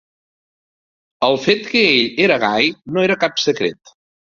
El fet que ell era gai no era cap secret.